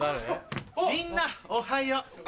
みんなおはよう。